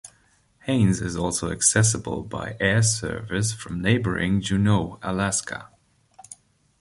Haines is also accessible by air service from neighboring Juneau, Alaska.